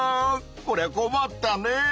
こりゃこまったねぇ！